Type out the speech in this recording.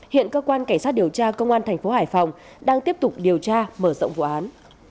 hiện cơ quan cảnh sát điều tra công an thành phố hải phòng đang tiếp tục điều tra mở rộng vụ án